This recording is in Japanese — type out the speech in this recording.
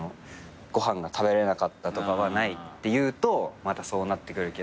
ご飯が食べれなかったとかはないっていうとまたそうなってくるけど。